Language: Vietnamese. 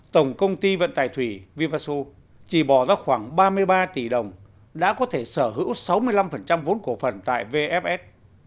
tổng công ty vận tải thủy vivaso chỉ bỏ ra khoảng ba mươi ba tỷ đồng đã có thể sở hữu sáu mươi năm vốn cổ phần tại vfs